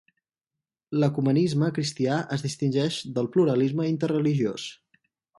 L'ecumenisme cristià es distingeix del pluralisme interreligiós.